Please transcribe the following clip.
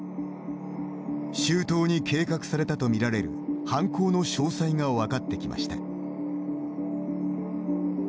周到に計画されたとみられる犯行の詳細が分かってきました。